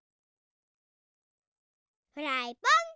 フライパン。